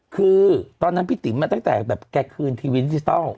คือตอนนั้นพี่ติ๋มมาตั้งแต่แบบแกคืนทีวีดิจิทัล